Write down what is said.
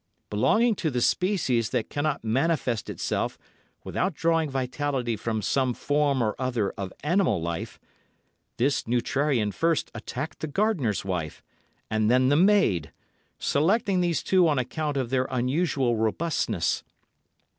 Belonging to the species that cannot manifest itself without drawing vitality from some form or other of animal life, this neutrarian first attacked the gardener's wife, and then the maid, selecting these two on account of their unusual robustness.